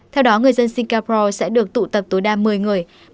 theo đó người dân singapore sẽ được tụ tập tối đa một mươi người